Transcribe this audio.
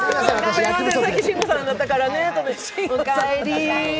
さっき慎吾さんだったからね、お帰り。